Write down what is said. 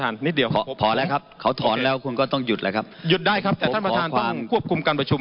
หยุดได้ครับแต่ท่านประชาตาครับ